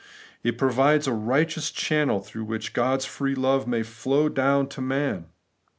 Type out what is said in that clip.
It provides a righteous channel through which God's free love may flow down to man.